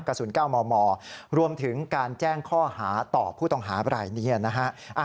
กระสุน๙มมรวมถึงการแจ้งข้อหาต่อผู้ต้องหาบรายนี้นะฮะ